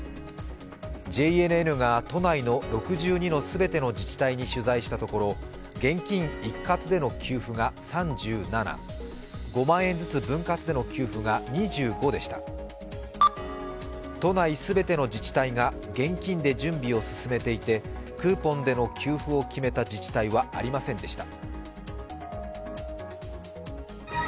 ＪＮＮが都内の６２の全ての自治体に取材したところ現金一括での給付が３７、５万円ずつ分割での給付が２５でした都内全ての自治体で現金で準備を進めていてクーポンでの給付を決めた自治体はありませんでした。